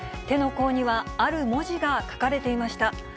手の甲にはある文字が書かれていました。